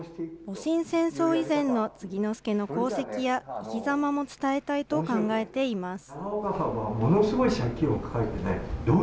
戊辰戦争以前の継之助の功績や生き様も伝えたいと考えています。